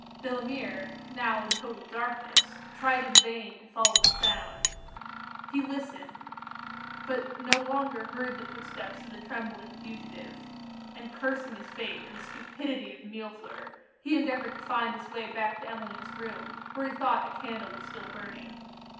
Delamere, now in total darkness, tried in vain to follow the sound. He listened but no longer heard the footsteps of the trembling fugitive; and cursing his fate, and the stupidity of Millefleur, he endeavoured to find his way back to Emmeline's room, where he thought a candle was still burning.